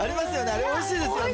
あれ、おいしいですよね。